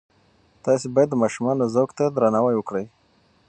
تاسې باید د ماشومانو ذوق ته درناوی وکړئ.